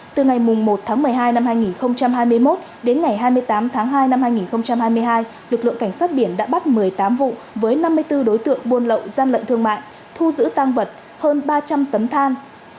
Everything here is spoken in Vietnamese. từ ngày một tháng một mươi hai năm hai nghìn hai mươi một đến ngày hai mươi tám tháng hai năm hai nghìn hai mươi hai lực lượng cảnh sát biển đã bắt một mươi tám vụ với năm mươi bốn đối tượng buôn lậu gian lận thương mại thu giữ tăng vật hơn ba trăm linh tấn than